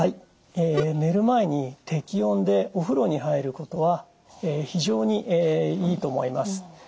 寝る前に適温でお風呂に入ることは非常にいいと思います。